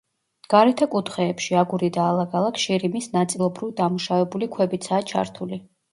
გარეთა კუთხეებში, აგური და ალაგ-ალაგ, შირიმის ნაწილობრივ დამუშავებული ქვებიცაა ჩართული.